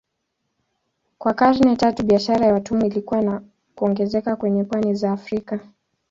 Kwa karne tatu biashara ya watumwa ilikua na kuongezeka kwenye pwani za Afrika.